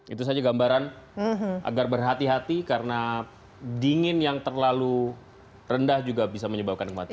itu saja gambaran agar berhati hati karena dingin yang terlalu rendah juga bisa menyebabkan kematian